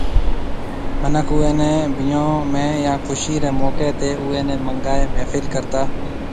منک اوئي ني بيهون ۾ يا خوشي ري موقعي تي اوئي ني منگائي محفل ڪرتا